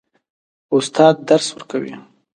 استاد درس ورکوي.